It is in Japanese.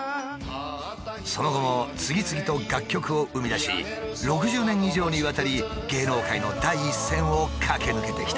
その後も次々と楽曲を生み出し６０年以上にわたり芸能界の第一線を駆け抜けてきた。